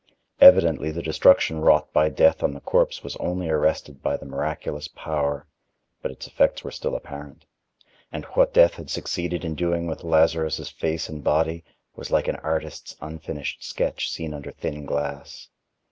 Evidently, the destruction wrought by death on the corpse was only arrested by the miraculous power, but its effects were still apparent; and what death had succeeded in doing with Lazarus' face and body, was like an artist's unfinished sketch seen under thin glass.